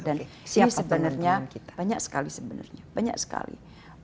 dan ini sebenarnya banyak sekali banyak sekali